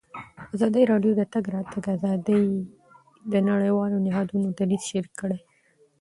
ازادي راډیو د د تګ راتګ ازادي د نړیوالو نهادونو دریځ شریک کړی.